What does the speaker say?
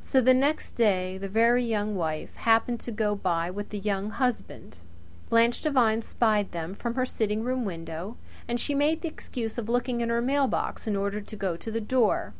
So the next day the Very Young Wife happened to go by with the Young Husband. Blanche Devine spied them from her sitting room window, and she made the excuse of looking in her mailbox in order to go to the door.